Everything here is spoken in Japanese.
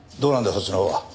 そっちのほうは。